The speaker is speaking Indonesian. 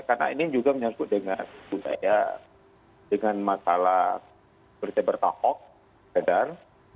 karena ini juga menyangkut dengan masalah berita bertahuk keadaan